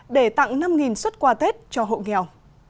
để tặng năm xuất quà tết cho hộ nghèo